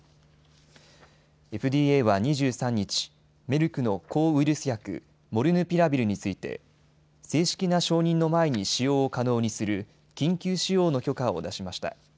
ＦＤＡは２３日、メルクの抗ウイルス薬、モルヌピラビルについて正式な承認の前に使用を可能にする緊急使用の許可を出しました。